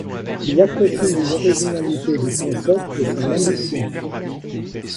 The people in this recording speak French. Il apprécie l'originalité du concept et son ambition.